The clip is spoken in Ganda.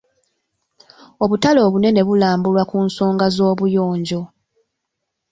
Obutale obunene bulambulwa ku nsonga z'obuyonjo.